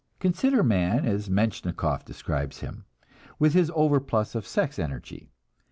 Consider man, as Metchnikoff describes him, with his overplus of sex energy.